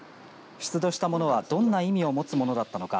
出土した物はどんな意味を持つ物だったのか。